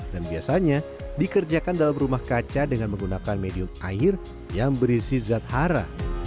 dan biasanya dikerjakan dalam rumah kaca dengan menggunakan medium air yang berisi zat hara